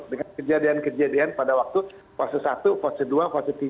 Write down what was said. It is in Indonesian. dengan kejadian kejadian pada waktu fase satu fase dua fase tiga